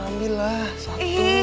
ambil lah satu